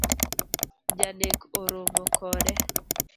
Janek oromo kode